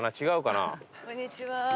違うかな。